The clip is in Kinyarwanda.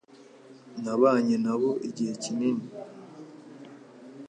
Nabanye nabo igihe kinini.